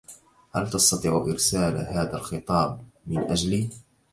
هل تستطيع إرسال هذا الخطاب من أجلي ؟